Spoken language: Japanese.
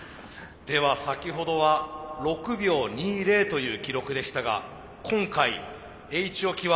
では先ほどは６秒２０という記録でしたが今回Ｈ置は目標タイム。